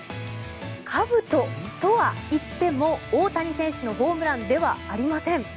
かぶととはいっても大谷選手のホームランではありません。